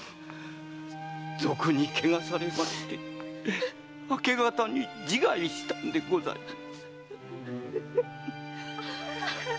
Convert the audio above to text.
賊に汚されまして明け方に自害したんでございます！